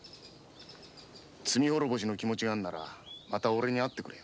罪滅ぼしの気持ちがあるならまたオレと会ってくれ。